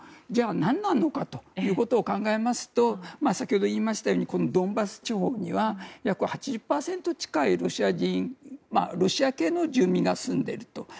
じゃあ何なのかということを考えますと先ほど言いましたようにこのドンバス地方には約８０％近いロシア系の住民が住んでいると。